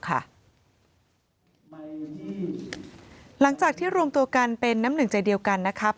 หลังจากที่รวมตัวกันเป็นน้ำหนึ่งใจเดียวกันนะครับ